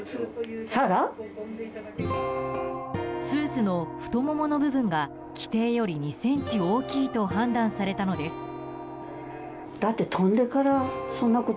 スーツの太ももの部分が規定より２ｃｍ大きいと判断されたのです。